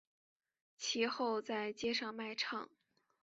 其后在街上卖唱。